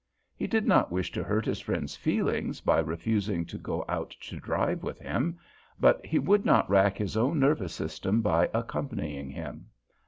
He did not wish to hurt his friend's feelings by refusing to go out to drive with him, but he would not rack his own nervous system by accompanying him.